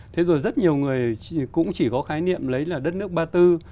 thế rồi rất nhiều người cũng chỉ có khái niệm lấy là đất nước ba tư